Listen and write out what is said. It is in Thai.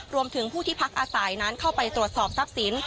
รวมถึงผู้ที่พักอาศัยนั้นเข้าไปตรวจสอบทรัพย์สิน